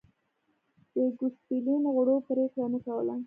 د ګوسپلین غړو پرېکړه نه کوله